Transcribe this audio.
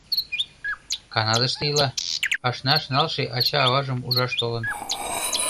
Канадыште ила, ашнаш налше ача-аважым ужаш толын.